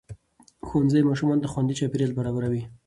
ښوونځی ماشومانو ته خوندي چاپېریال برابروي